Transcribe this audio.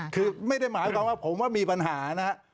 คือไม่ได้หมายความว่าผมว่ามีปัญหานะครับ